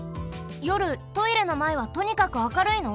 よるトイレのまえはとにかく明るいの？